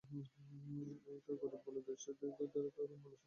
এটা গরীব দেশ বলে টাকা ঢেলে দিলে আমরা যেকোনো কিছু করতে পারি?